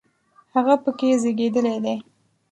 هغه په کې زیږېدلی دی.